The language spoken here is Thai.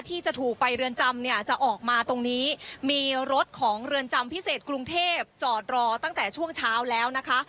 ที่จะถูกไปเรือนจำเนี่ยจะออกมาตรงนี้มีรถของเรือนจำพิเศษกรุงเทพจอดรอตั้งแต่ช่วงเช้าแล้วนะคะ